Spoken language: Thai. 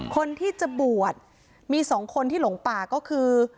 คนที่จะบวชมีสองคนที่หลงป่าก็คือ